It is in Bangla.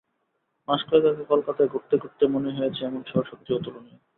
মাস কয়েক আগে কলকাতায় ঘুরতে ঘুরতে মনে হয়েছে, এমন শহর সত্যি অতুলনীয়।